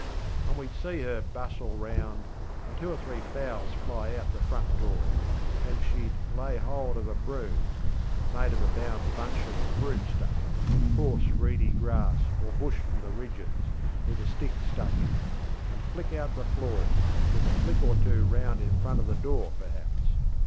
ŌĆÖ And weŌĆÖd see her bustle round, and two or three fowls fly out the front door, and sheŌĆÖd lay hold of a broom (made of a bound bunch of ŌĆśbroom stuffŌĆÖ ŌĆöcoarse reedy grass or bush from the ridgesŌĆöwith a stick stuck in it) and flick out the floor, with a flick or two round in front of the door perhaps.